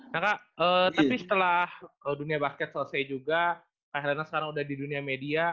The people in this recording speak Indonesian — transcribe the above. kakak tapi setelah dunia basket selesai juga kak herana sekarang udah di dunia media